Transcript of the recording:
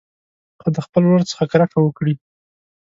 خو د خپل ورور څخه کرکه وکړي.